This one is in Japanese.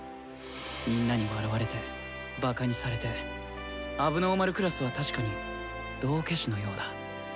みんなに笑われてばかにされて問題児クラスは確かに道化師のようだ。